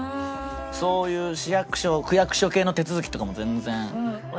そういう市役所区役所系の手続きとかも全然。